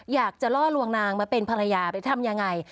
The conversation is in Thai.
อยากจะล่อลวงนางมาเป็นภรรยาไปทำยังไง